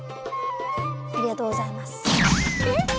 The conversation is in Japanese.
ありがとうございます。